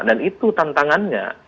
dan itu tantangannya